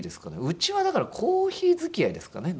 うちはだからコーヒー付き合いですかね